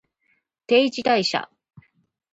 定時退社